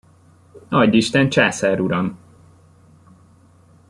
Adj isten, császár uram!